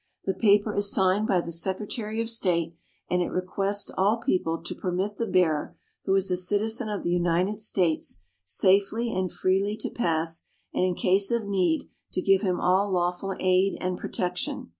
The paper is signed by the Secretary of State, and it requests all people to permit the bearer, who is a citizen of the United States, safely and freely to pass, and in case of need to give him all lawful aid and protection.